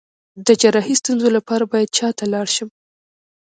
د جراحي ستونزو لپاره باید چا ته لاړ شم؟